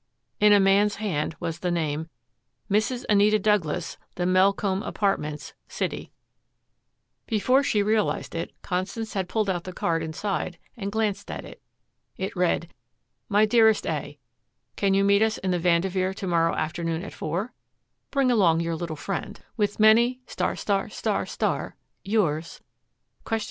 In a man's hand was the name, "Mrs. Anita Douglas, The Melcombe Apartments, City" Before she realized it, Constance had pulled out the card inside and glanced at it. It read: MY DEAREST A : Can you meet us in the Vanderveer to morrow afternoon at four? Bring along your little friend. With many Yours